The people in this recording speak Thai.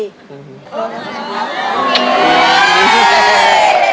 อืม